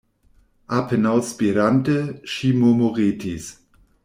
Apenaŭ spirante, ŝi murmuretis: